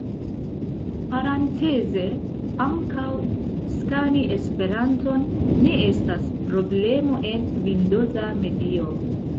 Parenteze, ankaŭ skani Esperanton ne estas problemo en vindoza medio.